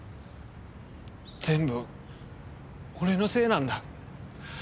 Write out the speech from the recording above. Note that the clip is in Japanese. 全部俺のせいなんだ。